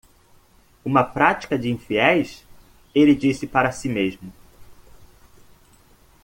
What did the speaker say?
"Uma prática de infiéis?" ele disse para si mesmo.